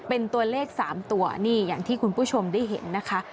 เป็นตัวเลข๓ตัวนี่อย่างที่คุณผู้ชมได้เห็นนะคะ